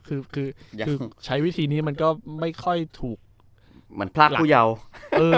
คือคือใช้วิธีนี้มันก็ไม่ค่อยถูกเหมือนพรากผู้เยาว์เออ